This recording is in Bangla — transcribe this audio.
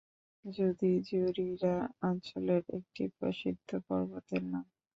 জুদী জযিরা অঞ্চলের একটি প্রসিদ্ধ পর্বতের নাম।